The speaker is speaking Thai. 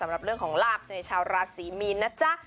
สำหรับเรื่องของลาบในชาวราศีมีนนะจ๊ะ